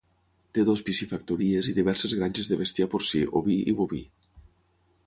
Té dues piscifactories i diverses granges de bestiar porcí, oví i boví.